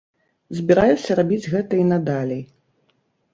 Збіраюся рабіць гэта і надалей.